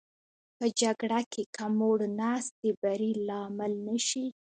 په جګړه کې که موړ نس د بري لامل نه شي.